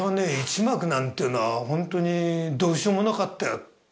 一幕なんていうのはホントにどうしようもなかったよ